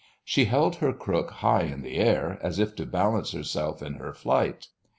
She held her crook high in the air as if to balance herself in her flight.